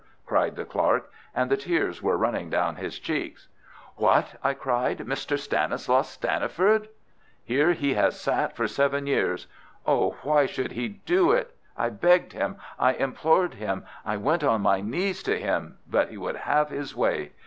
cried the clerk, and the tears were running down his cheeks. "What!" I cried, "Mr. Stanislaus Stanniford!" "Here he has sat for seven years. Oh, why would he do it? I begged him, I implored him, I went on my knees to him, but he would have his way.